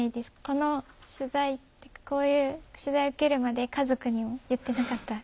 この取材こういう取材受けるまで家族にも言ってなかった。